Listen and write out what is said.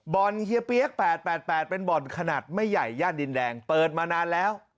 บอลเฮียเปี๊ยกแปดแปดแปดเป็นบอลขนาดไม่ใหญ่ย่านดินแรงเปิดมานานแล้ว